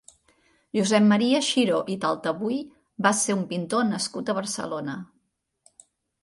Josep Maria Xiró i Taltabull va ser un pintor nascut a Barcelona.